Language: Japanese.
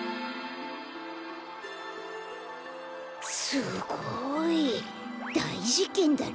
すごい。だいじけんだね。